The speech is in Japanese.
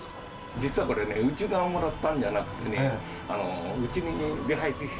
実はこれねうちがもらったんじゃなくてね。